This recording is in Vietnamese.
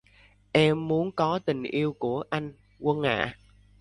Em muốn có tình yêu của anh Quân ạ